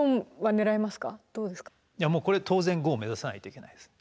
いやもうこれ当然５を目指さないといけないです。